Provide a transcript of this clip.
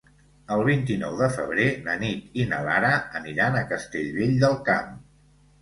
El vint-i-nou de febrer na Nit i na Lara aniran a Castellvell del Camp.